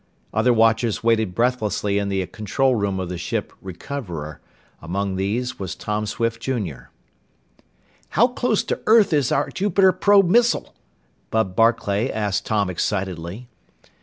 Other watchers waited breathlessly in the control room of the ship Recoverer. Among these was Tom Swift Jr. "How close to earth is our Jupiter probe missile?" Bud Barclay asked Tom excitedly.